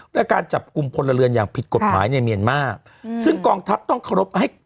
และการจับกลุ่มพลเรือนอย่างผิดกฎหมายในเมียนมาร์ซึ่งกองทัพต้องเคารพให้